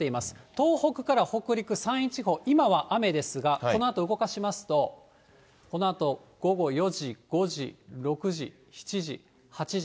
東北から北陸、山陰地方、今は雨ですが、このあと動かしますと、このあと午後４時、５時、６時、７時、８時。